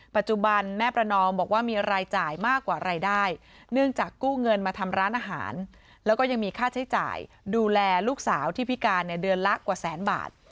ปัจจุบันแม่ประนอมบอกว่ามีรายจ่ายมากกว่ารายได้เนื่องจากกู้เงินมาทำร้านอาหารแล้วก็ยังมีค่าใช้จ่ายดูแลลูกสาวที่พิการเนี่ยเดือนละกว่าแสนบาท